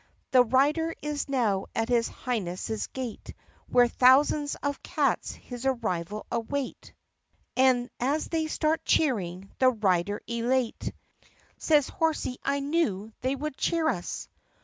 The rider is now at his Highness's gate Where thousands of cats his arrival await, And as they start cheering, the rider, elate, Says, "Horsie, I knew they would cheer us